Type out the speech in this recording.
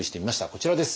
こちらです。